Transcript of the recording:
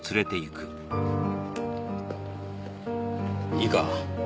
いいか？